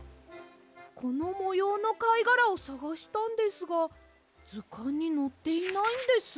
このもようのかいがらをさがしたんですがずかんにのっていないんです。